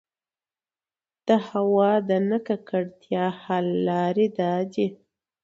د هـوا د نـه ککـړتيا حـل لـارې دا دي: